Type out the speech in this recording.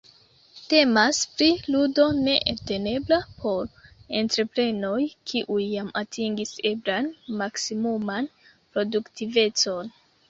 Temas pri ludo ne eltenebla por entreprenoj, kiuj jam atingis eblan maksimuman produktivecon.